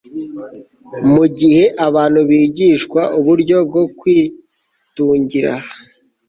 Mu gihe abantu bigishwa uburyo bwo kwitungira